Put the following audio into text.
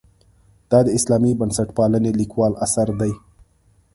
دا د اسلامي بنسټپالنې لیکوال اثر دی.